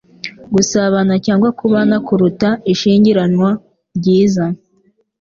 gusabana cyangwa kubana kuruta ishyingiranwa ryiza.”